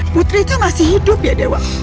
putri itu masih hidup ya dewa